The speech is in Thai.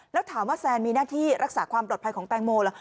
แล้วถามว่าแซนมีหน้าที่รักษาความปลอดภัยของแตงโมเหรอ